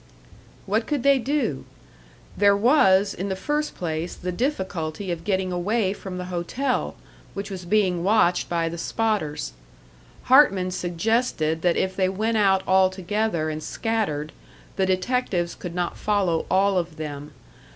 What could they do? There was, in the first place, the difficulty of getting away from the hotel, which was being watched by the "spotters." Hartman suggested that if they went out all together and scattered, the detectives could not follow all of them.